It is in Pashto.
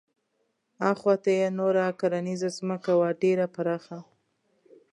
اخواته یې نوره کرنیزه ځمکه وه ډېره پراخه.